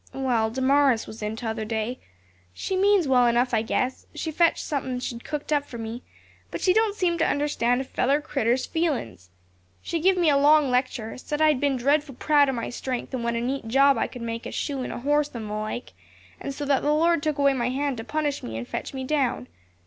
"Well, Damaris was in t'other day. She means well enough, I guess; she fetched something she'd cooked up for me but she don't seem to understand a feller critter's feelin's. She give me a long lecture; said I'd been dreadful proud o' my strength and what a neat job I could make o' shoein' a horse and the like, and so that the Lord took away my hand to punish me and fetch me down.